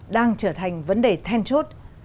đang trở thành vấn đề then chốt